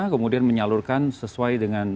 kemudian menyalurkan sesuai dengan